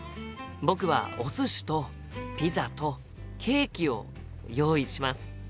僕はお寿司とピザとケーキを用意します！